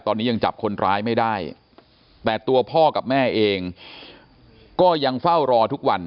ตอนนี้ยังจับคนร้ายไม่ได้แต่ตัวพ่อกับแม่เองก็ยังเฝ้ารอทุกวัน